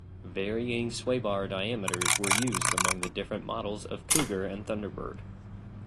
Varying sway bar diameters were used among the different models of Cougar and Thunderbird.